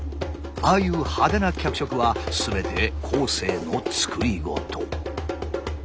ああいう派手な脚色は全て後世の作り事。